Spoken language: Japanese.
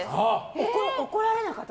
怒られなかった？